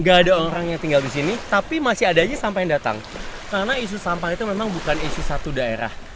gak ada orang yang tinggal di sini tapi masih adanya sampah yang datang karena isu sampah itu memang bukan isu satu daerah